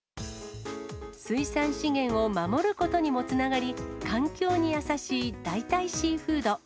水産資源を守ることにもつながり、環境に優しい代替シーフード。